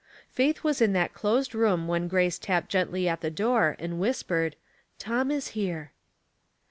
Faith was in that closed room when Grace tapped gently at the door, and whispered, " Tom is here."